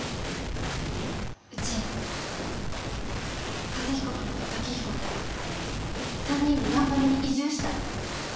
うち和彦君と健彦と３人でやんばるに移住したい。